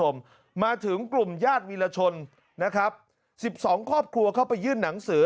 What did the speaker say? มาถึงกลุ่มยาศวิลชน๑๒ครอบครัวเข้าไปยื่นหนังสือ